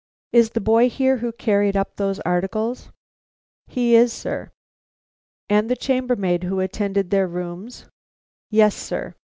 "Is the boy here who carried up those articles?" "He is, sir." "And the chambermaid who attended to their rooms?" "Yes, sir."